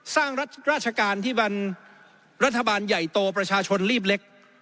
สร้างราชการที่มันรัฐบาลใหญ่โตประชาชนรีบเล็ก